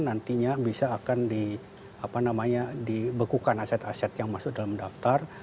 nantinya bisa akan di apa namanya dibekukan aset aset yang masuk dalam daftar